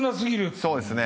そうですね。